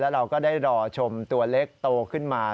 เราก็ได้รอชมตัวเล็กโตขึ้นมา